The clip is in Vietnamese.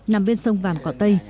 nằm bên sông vàm cỏ tây